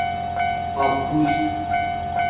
آبگوشت